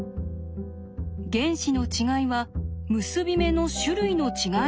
原子の違いは結び目の種類の違いなのではないか。